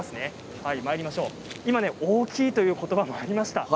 今、大きいという言葉がありました。